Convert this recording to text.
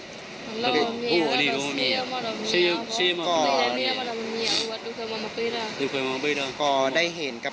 อ่ามียาวมียาวมียาว